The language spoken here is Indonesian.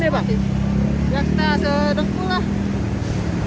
kemana dalam ya pak